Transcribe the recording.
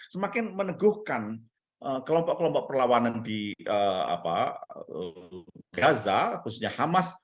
semakin meneguhkan kelompok kelompok perlawanan di gaza khususnya hamas